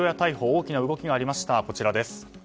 大きな動きがありました。